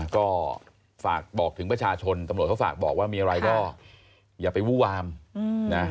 ก็ฝากบอกถึงประชาชนตำรวจเขาฝากบอกว่ามีอะไรก็อย่าไปวู้วามนะ